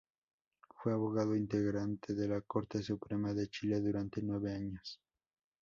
Fue abogado integrante de la Corte Suprema de Chile durante nueve años.